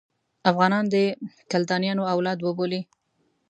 افغانان د کلدانیانو اولاد وبولي.